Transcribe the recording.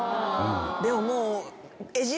でももう。